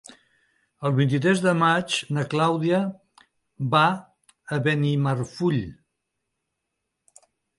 El vint-i-tres de maig na Clàudia va a Benimarfull.